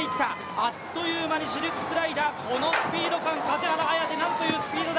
あっという間にシルクスライダー、このスピード感、なんというスピードだ。